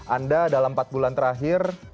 anda dalam empat bulan terakhir